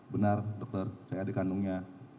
benar dokter saya adik kandungnya